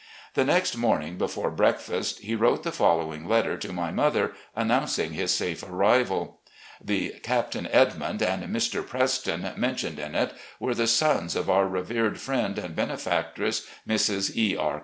The next morning, before breakfast, he wrote the fol lowing letter to my mother announcing his safe arrival. The "Captain Edmimd" and "Mr. Preston" mentioned in it were the sons of our revered friend and benefactress, Mrs. E. R.